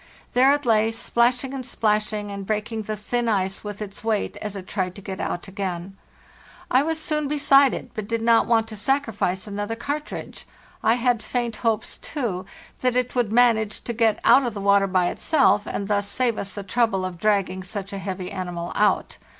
There it lay, splashing and splashing and breaking the thin ice with its weight as it tried to get out again. I was soon beside it, but did not want to sacrifice another cartridge; I had faint hopes, too, that it would manage to get out of the water by itself, and thus save us the roing such a heavy animal out.